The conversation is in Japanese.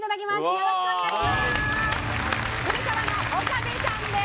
よろしくお願いします。